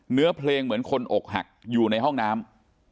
เนื้อเพลงเหมือนคนอกหักอยู่ในห้องน้ำ